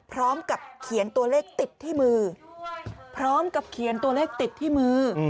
พร้อมกับเขียนตัวเลขติดที่มือ